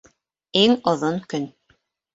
ИҢ ОҘОН КӨН